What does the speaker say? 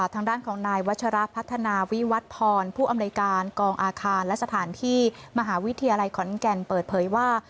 ทางด้านของนายวัชระพัฒนาวิวัตพรผู้อำนวยการกองอาคารและสถานที่มหาวิทยาลัยขอนแก่นเปิดเผยว่า